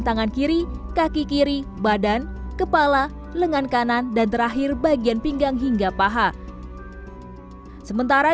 tangan kiri kaki kiri badan kepala lengan kanan dan terakhir bagian pinggang hingga paha sementara